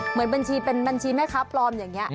เหมือนบัญชีเป็นบัญชีแม่ค้าปลอมอย่างนี้